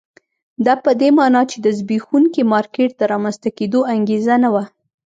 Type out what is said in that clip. دا په دې معنی چې د زبېښونکي مارکېټ د رامنځته کېدو انګېزه نه وه.